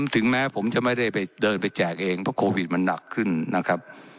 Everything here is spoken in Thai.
ถึงแม้ผมจะไม่ได้ไปเดินไปแจกเองเพราะโควิดมันหนักขึ้นนะครับ